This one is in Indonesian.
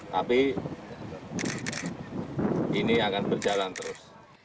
tapi ini akan berjalan terus